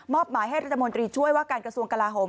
หมายให้รัฐมนตรีช่วยว่าการกระทรวงกลาโหม